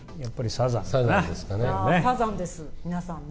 サザンです、皆さんね。